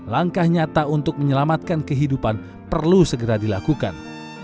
langkah nyata untuk menyelamatkan kehidupan perlu segera dilakukan